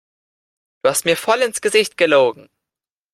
Du hast mir voll ins Gesicht gelogen!